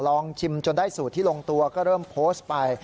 ลองชิมจนได้สูตรที่ลงตัวก็เริ่มโพสต์ไป